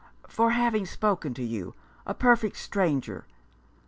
" For having spoken to you — a perfect stranger.